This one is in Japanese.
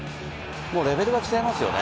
もうレベルが違いますよね。